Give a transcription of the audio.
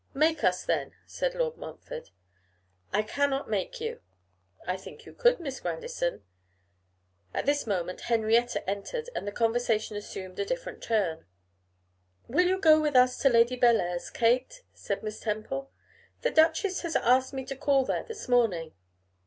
'Make us, then,' said Lord Montfort. 'I cannot make you.' 'I think you could, Miss Grandison.' At this moment Henrietta entered, and the conversation assumed a different turn. 'Will you go with us to Lady Bellair's, Kate?' said Miss Temple. 'The duchess has asked me to call there this morning.